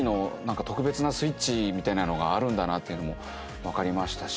みたいなのがあるんだなっていうのも分かりましたし。